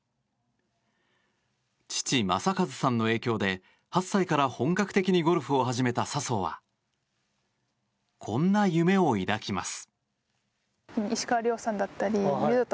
父・正和さんの影響で８歳から本格的にゴルフを始めた笹生はこんな夢を抱きます。